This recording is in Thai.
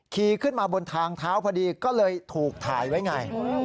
ขี่ขึ้นมาบนทางเท้าพอดีก็เลยถูกถ่ายไว้ไง